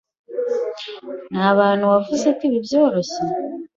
Ntabantu wavuze ko ibi byoroshye.